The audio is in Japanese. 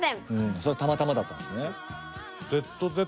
それはたまたまだったんですね。